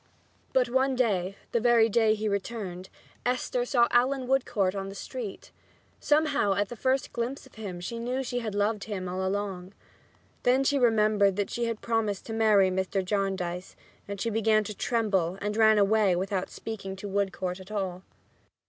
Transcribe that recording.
But one day the very day he returned Esther saw Allan Woodcourt on the street. Somehow at the first glimpse of him she knew that she had loved him all along. Then she remembered that she had promised to marry Mr. Jarndyce, and she began to tremble and ran away without speaking to Woodcourt at all.